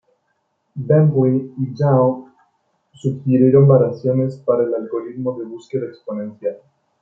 Bentley y Yao sugirieron variaciones para el algoritmo de búsqueda exponencial.